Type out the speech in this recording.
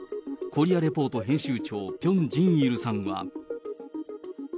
コリア・レポート編集長、ピョンジンイルさんは。